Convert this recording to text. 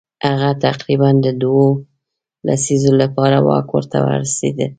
هغه تقریبا دوو لسیزو لپاره واک ورته ورسېد.